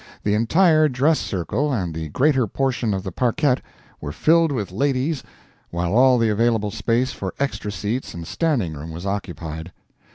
The entire dress circle and the greater portion of the parquette were filled with ladies while all the available space for extra seats and standing room was occupied.